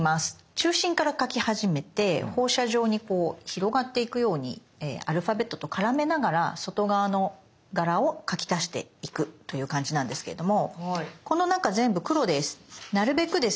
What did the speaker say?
中心から描き始めて放射状にこう広がっていくようにアルファベットと絡めながら外側の柄を描き足していくという感じなんですけれどもこの中全部黒です。